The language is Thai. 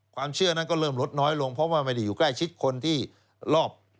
ความเชื่อนั้นก็เริ่มลดน้อยลงเพราะว่าไม่ได้อยู่ใกล้ชิดคนที่รอบ